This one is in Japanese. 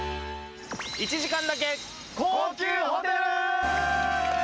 １時間だけ高級ホテル。